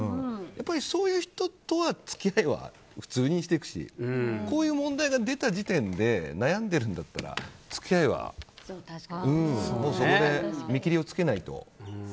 そういう人とは付き合いは普通にしていくしこういう問題が出た時点で悩んでいるんだったら付き合いはそこで見切りをつけないと。